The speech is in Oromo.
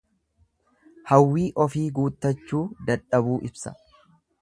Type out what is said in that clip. Hawwii ofii guuttachuu dadhabuu ibsa.